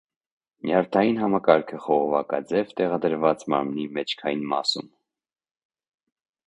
Նյարդային համակարգը խողովակաձև է, տեղադրված մարմնի մեջքային մասում։